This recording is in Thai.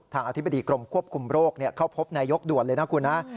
อธิบดีกรมควบคุมโรคเข้าพบนายกด่วนเลยนะคุณนะ